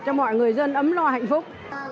cho mọi người dân ấm lo hạnh phúc